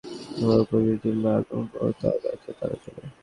এভাবে উপর্যুপরি তিনবার আক্রমণ ও তার ব্যর্থতার পালা চলে।